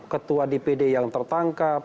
ketua dpd yang tertangkap